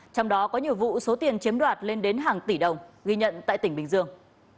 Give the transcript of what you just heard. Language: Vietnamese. trong đó có nhiều vụ số tiền chiếm đoạt lên đến hàng tỷ đồng ghi nhận tại tỉnh bình dương